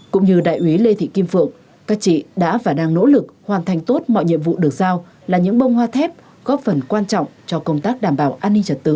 cũng như đại úy lê thị kim phượng các chị đã và đang nỗ lực hoàn thành tốt mọi nhiệm vụ được giao là những bông hoa thép góp phần quan trọng cho công tác đảm bảo an ninh trật tự